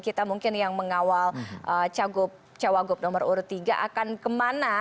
kita mungkin yang mengawal cawagup nomor urut tiga akan kemana